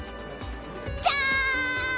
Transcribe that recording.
じゃーん！